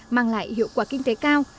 mang lại hiệu quả kinh tế cao